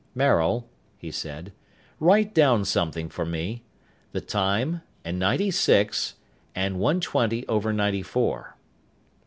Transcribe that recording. "Maril," he said. "Write down something for me. The time, and ninety six, and one twenty over ninety four."